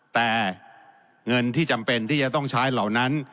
แต่เงินที่จำเป็นที่จะต้องใช้เหล่านั้น